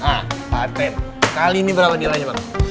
nah panten kali ini berapa nilainya bang